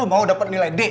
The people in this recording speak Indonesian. lo mau dapet milik d